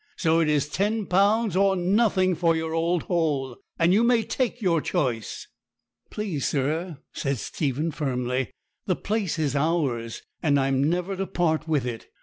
So it is ten pounds or nothing for your old hole; and you may take your choice.' 'Please, sir,' said Stephen firmly, 'the place is ours, and I'm never to part with it.